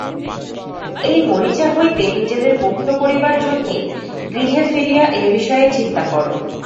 এই মরিচা হইতে নিজেদের মুক্ত করিবার জন্যই গৃহে ফিরিয়া এ-বিষয়ে চিন্তা কর।